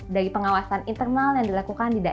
dari pengawasan internal yang dilakukan di daerah